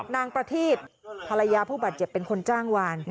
นางประทีบภรรยาผู้บาดเจ็บเป็นคนจ้างวาน